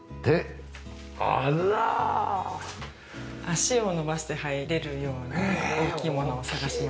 足を伸ばして入れるように大きいものを探しました。